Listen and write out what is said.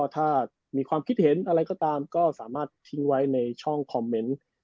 ถ้ามีความคิดเห็นอะไรก็ตามก็สามารถทิ้งไว้ในช่องคอมเมนต์